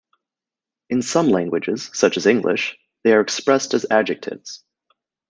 In some languages, such as English, they are expressed as adjectives.